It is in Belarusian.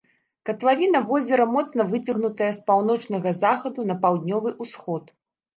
Катлавіна возера моцна выцягнутая з паўночнага захаду на паўднёвы ўсход.